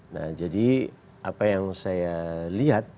nah jadi apa yang saya lihat